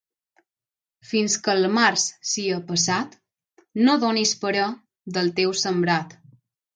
Fins que el març sia passat, no donis parer del teu sembrat.